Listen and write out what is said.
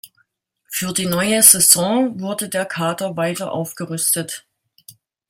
Für die neue Saison wurde der Kader weiter aufgerüstet.